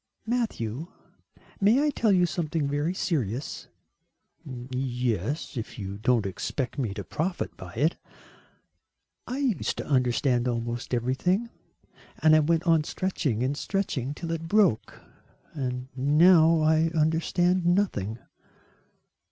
"Matthew, may I tell you something very serious?" "Yes, if you don't expect me to profit by it." "I used to understand almost everything, and I went on stretching and stretching till it broke, and now I understand nothing."